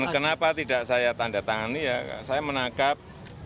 kenapa tidak saya tanda tangan ya saya menangkap